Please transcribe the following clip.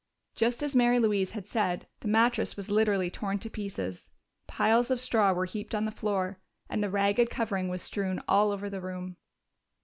Just as Mary Louise had said, the mattress was literally torn to pieces. Piles of straw were heaped on the floor, and the ragged covering was strewn all over the room.